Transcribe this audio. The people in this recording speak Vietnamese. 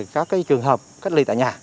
các trường hợp cách ly tại nhà